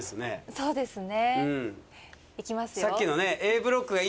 そうですね。